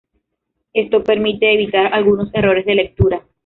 Esto permite evitar algunos errores de lectura.